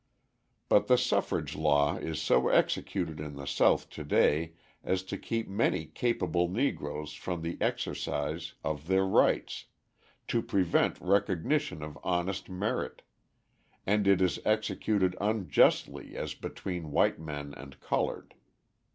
But the suffrage law is so executed in the South to day as to keep many capable Negroes from the exercise of their rights, to prevent recognition of honest merit, and it is executed unjustly as between white men and coloured.